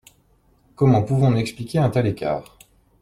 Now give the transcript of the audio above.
Comment pouvons-nous expliquer un tel écart?